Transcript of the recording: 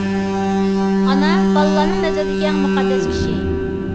ئانا بالىلارنىڭ نەزىرىدىكى ئەڭ مۇقەددەس كىشى.